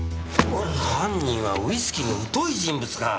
犯人はウイスキーに疎い人物か！